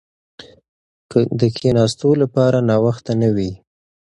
د کښېناستو لپاره ناوخته نه وي.